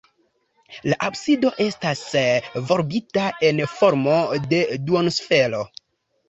La absido estas volbita en formo de duonsfero.